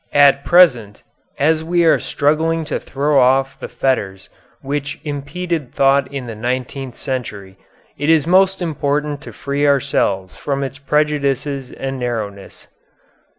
At present, as we are struggling to throw off the fetters which impeded thought in the nineteenth century, it is most important to free ourselves from its prejudices and narrowness."